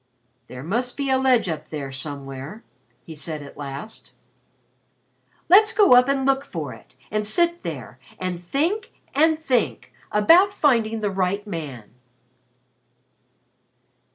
"There must be a ledge up there somewhere," he said at last. "Let's go up and look for it and sit there and think and think about finding the right man."